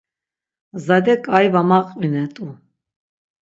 Zade ǩai va maqvinet̆u.